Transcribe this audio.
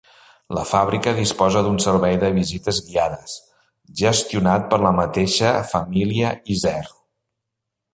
La fàbrica disposa d'un servei de visites guiades, gestionat per la mateixa família Isern.